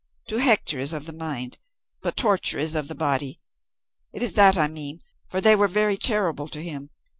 To hector is of the mind, but torture is of the body. It is that I mean for they were very terrible to him.